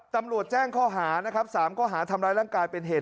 แจ้งข้อหานะครับ๓ข้อหาทำร้ายร่างกายเป็นเหตุ